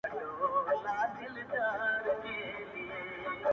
گراني په تاڅه وسول ولي ولاړې ~